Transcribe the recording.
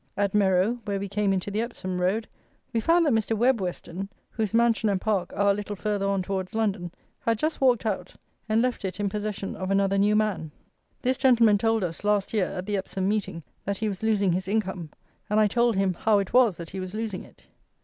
At Merrow, where we came into the Epsom road, we found that Mr. Webb Weston, whose mansion and park are a little further on towards London, had just walked out, and left it in possession of another new man. This gentleman told us, last year, at the Epsom Meeting, that he was losing his income; and I told him how it was that he was losing it!